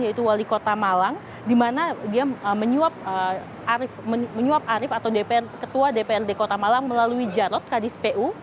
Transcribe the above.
yaitu wali kota malang di mana dia menyuap arief atau ketua dprd kota malang melalui jarod kadis pu